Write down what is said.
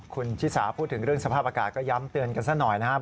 คุณชิสาพูดถึงเรื่องสภาพอากาศก็ย้ำเตือนกันซะหน่อยนะครับ